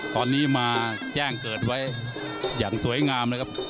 ตอนนี้มาแจ้งเกิดไว้อย่างสวยงามเลยครับ